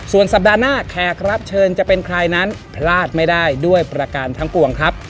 ส่วนสัปดาห์หน้าแขกรับเชิญจะเป็นใครนั้นพลาดไม่ได้ด้วยประการทั้งปวงครับ